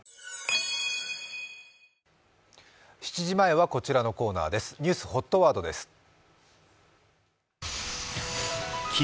７時前はこちらのコーナーです、「ニュースホットワード」です。